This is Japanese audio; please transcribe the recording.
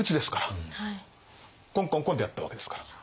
コンコンコンでやったわけですから。